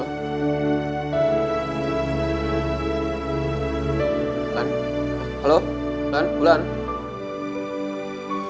janganlah lu jatuh kemana mana